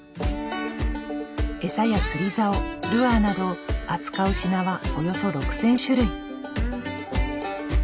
エサや釣りざおルアーなど扱う品はおよそ６，０００種類。